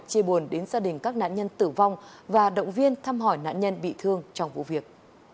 chia buồn đến gia đình các nạn nhân tử vong và động viên thăm hỏi nạn nhân bị thương trong vụ việc